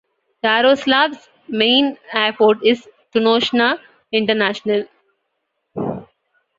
Yaroslavl's main airport is Tunoshna International.